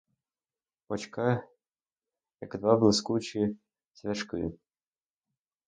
Очка, як два блискучі цвяшки.